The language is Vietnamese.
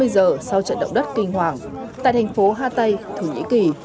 một trăm năm mươi giờ sau trận động đất kinh hoàng tại thành phố hatay thủ nhĩ kỳ